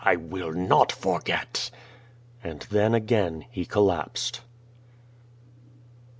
I will not forget!" And then again he collapsed.